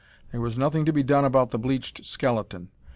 There was nothing to be done about the bleached skeleton.